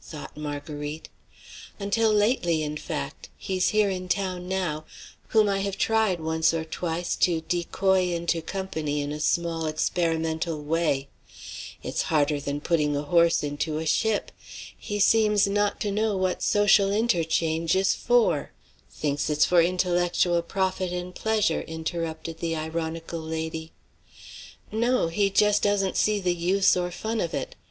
thought Marguerite. " until lately, in fact; he's here in town now, whom I have tried once or twice to decoy into company in a small experimental way. It's harder than putting a horse into a ship. He seems not to know what social interchange is for." "Thinks it's for intellectual profit and pleasure," interrupted the ironical lady. "No, he just doesn't see the use or fun of it.